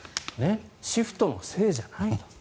シフトのせいじゃないと。